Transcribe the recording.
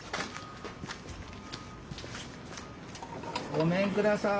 ごめんください。